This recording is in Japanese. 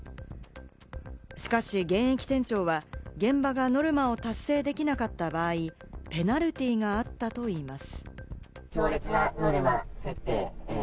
しかし現役店長は現場がノルマを達成できなかった場合、ペナルティーがあったといいます。